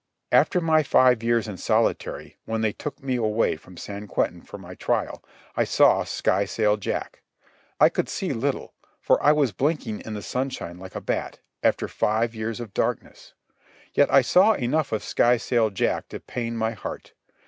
After my five years in solitary, when they took me away from San Quentin for my trial, I saw Skysail Jack. I could see little, for I was blinking in the sunshine like a bat, after five years of darkness; yet I saw enough of Skysail Jack to pain my heart.